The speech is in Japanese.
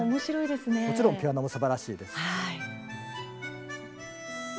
もちろんピアノもすばらしいです。